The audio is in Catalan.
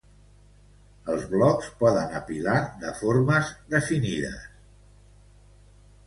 Els blocs poden apilar de formes definides.